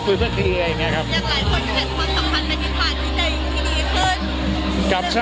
คือเคลียร์อย่างเงี้ยครับ